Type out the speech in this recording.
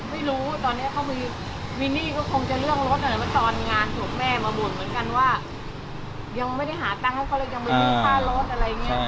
ไม่รู้ตอนนี้เขามีหนี้ก็คงจะเรื่องรถตอนงานของแม่มาบ่นเหมือนกันว่ายังไม่ได้หาตังค์ให้เขาเลย